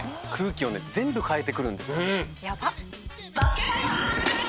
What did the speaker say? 全部変えてくるんですよ。